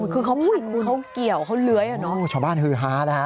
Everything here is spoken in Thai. คือเขาหู้โดยงูเขาเกี่ยวเขาเลื้อยเหรอ